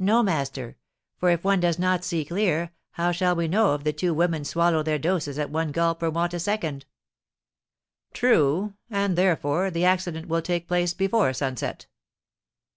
'No, master; for if one does not see clear, how shall we know if the two women swallow their doses at one gulp, or want a second?' 'True; and, therefore, the accident will take place before sunset.'